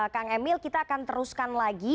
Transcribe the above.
kang emil kita akan teruskan lagi